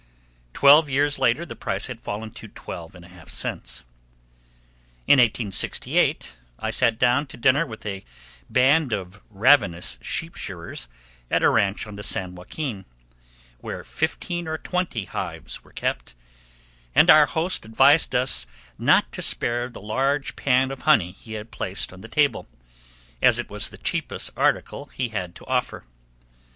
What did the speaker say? Twelve years later the price had fallen to twelve and a half cents. In 1868 I sat down to dinner with a band of ravenous sheep shearers at a ranch on the San Joaquin, where fifteen or twenty hives were kept, and our host advised us not to spare the large pan of honey he had placed on the table, as it was the cheapest article he had to offer.